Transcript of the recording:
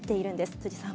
辻さん。